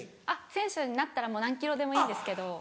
あっ選手になったらもう何ｋｇでもいいんですけど。